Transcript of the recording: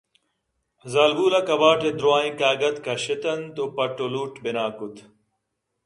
زالبول ءَ کباٹ ءِ دُرٛاہیں کاگد کش اِت اَنتءُپٹ ءُلوٹ بنا کُت